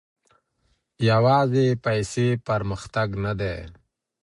يوازي پيسې پرمختګ نه دی.